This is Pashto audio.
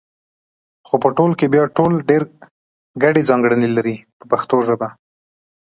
خو په ټول کې بیا ټول ډېرې ګډې ځانګړنې لري په پښتو ژبه.